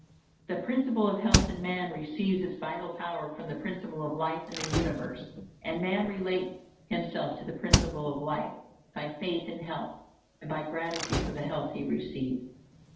_The Principle of Health in man receives its vital power from the Principle of Life in the universe; and man relates himself to the Principle of Life by faith in health, and by gratitude for the health he receives.